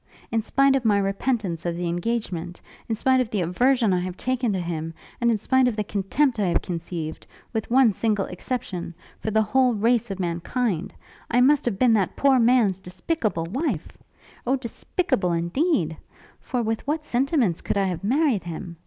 In spite of my repentance of the engagement, in spite of the aversion I have taken to him, and in spite of the contempt I have conceived with one single exception for the whole race of mankind, I must have been that poor man's despicable wife! O despicable indeed! For with what sentiments could I have married him?